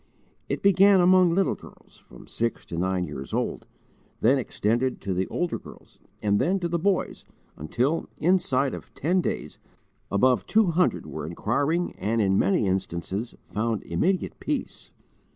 It began among little girls, from six to nine years old, then extended to the older girls, and then to the boys, until, inside of ten days, above two hundred were inquiring and in many instances found immediate peace.